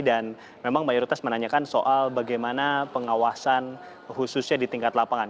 dan memang mayoritas menanyakan soal bagaimana pengawasan khususnya di tingkat lapangan